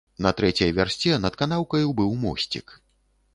На трэцяй вярсце над канаўкаю быў мосцік.